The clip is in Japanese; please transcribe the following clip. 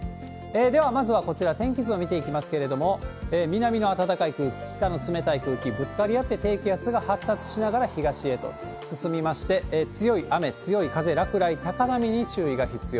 では、まずはこちら、天気図を見ていきますけれども、南の暖かい空気、北の冷たい空気、ぶつかり合って低気圧が発達しながら東へと進みまして、強い雨、強い風、落雷、高波に注意が必要。